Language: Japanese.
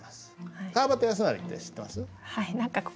川端康成って知ってます？